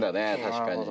確かに。